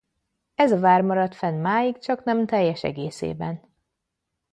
Ez a vár maradt fenn máig csaknem teljes egészében.